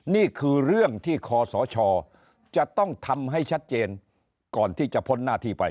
นี่คือเรื่องที่คอสชจะต้องทำให้ชัดเจนก่อนที่จะพ้นหน้าที่ไป